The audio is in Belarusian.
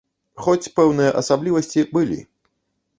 Хоць пэўныя асаблівасці былі.